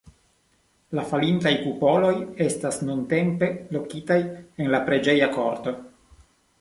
La falintaj kupoloj estas nuntempe lokitaj en la preĝeja korto.